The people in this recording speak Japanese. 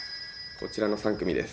こちらの３組です